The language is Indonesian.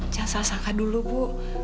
jangan salah sangka dulu bu